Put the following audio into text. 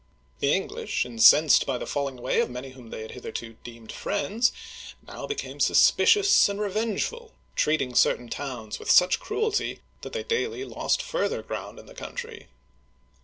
The Eng lish, incensed by the falling away of many whom they had hitherto deemed , friends, now became suspicious and re vengeful, treating certain towns with such cruelty, that they daily lost further ground in the country.